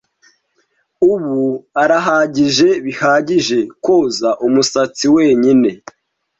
Ubu arahagije bihagije koza umusatsi wenyine.